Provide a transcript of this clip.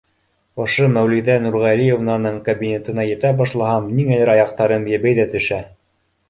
Ошо Мәүлиҙә Нурғәлиевнаның кабинетына етә башлаһам, ниңәлер аяҡтарым ебей ҙә төшә.